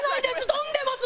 飛んでます！